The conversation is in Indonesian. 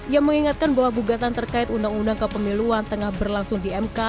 yang mengingatkan bahwa gugatan terkait undang undang kepemiluan tengah berlangsung di mk